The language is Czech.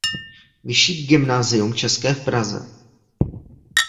Vyšší gymnasium české v Praze.